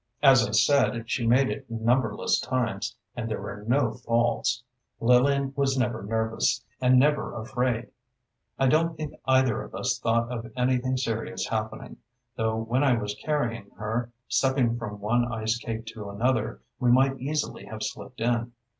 As I say, she made it numberless times, and there were no falls. Lillian was never nervous, and never afraid. I don't think either of us thought of anything serious happening, though when I was carrying her, stepping from one ice cake to another, we might easily have slipped in.